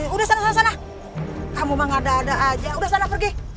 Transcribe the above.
udah sana sana kamu mengada ada ada aja udah sana pergi